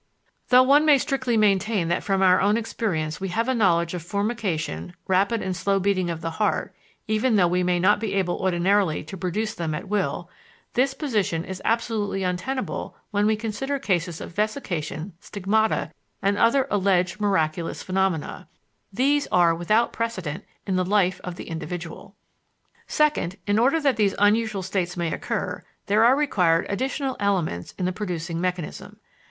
Though one may strictly maintain that from our own experience we have a knowledge of formication, rapid and slow beating of the heart, even though we may not be able ordinarily to produce them at will, this position is absolutely untenable when we consider cases of vesication, stigmata, and other alleged miraculous phenomena: these are without precedent in the life of the individual. Second, in order that these unusual states may occur, there are required additional elements in the producing mechanism.